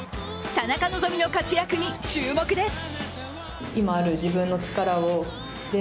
田中希実の活躍に注目です。